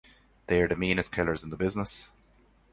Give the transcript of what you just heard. They are the meanest killers in the business.